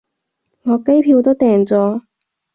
我機票都訂咗